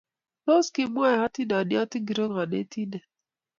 Tos kimwoe hatindiot ingiro konetindet?